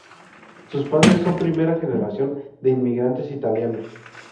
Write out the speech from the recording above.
Sus padres son primera generación de inmigrantes italianos.